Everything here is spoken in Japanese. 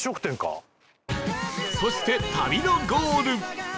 そして旅のゴール